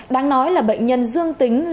đáng nói là bệnh nhân dương tính